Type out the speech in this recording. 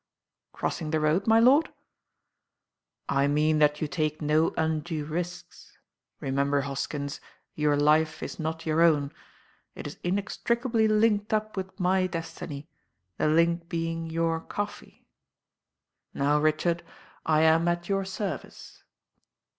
"Crossing the road, my lord?" "I mean that you take no undue risks. Remem ber, Hosklns, your life is not your own. It is in extricably linked up with my destiny, the link being your coffee. Now, Richard, I am at yo ;r service."